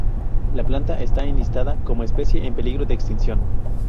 La planta está enlistada como especie en peligro de extinción.